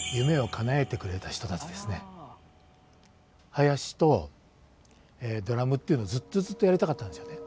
囃子とドラムっていうのずっとずっとやりたかったんですよね。